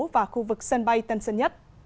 và khu vực sân bay tân sơn nhất